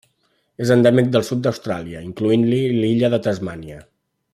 És endèmic del sud d'Austràlia, incloent-hi l'illa de Tasmània.